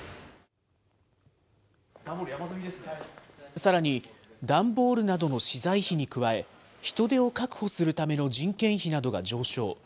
さらに、段ボールなどの資材費に加え、人手を確保するための人件費などが上昇。